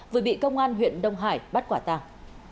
vừa bị công an huyện đông hải bắt quả tàng